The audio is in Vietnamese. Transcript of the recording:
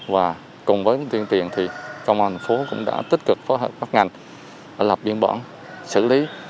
và cùng với tuyên tiền thì công an thành phố cũng đã tích cực phối hợp các ngành lập biên bản xử lý